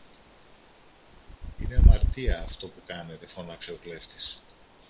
Είναι αμαρτία αυτό που κάνετε φώναξε ο κλέφτης.